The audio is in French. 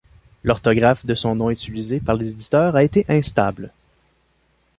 L'orthographe de son nom utilisée par les éditeurs a été instable.